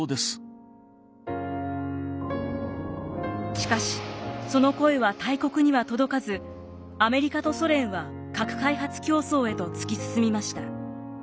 しかしその声は大国には届かずアメリカとソ連は核開発競争へと突き進みました。